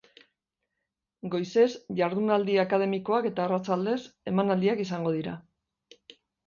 Goizez jardunaldi akademikoak eta arratsaldez emanaldiak izango dira.